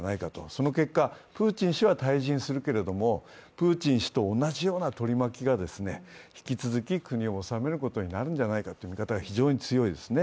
その結果、プーチン氏は退陣するけれども、プーチン氏と同じような取り巻きが、引き続き国をおさめることになるんじゃないかとう見方が非常に強いですね。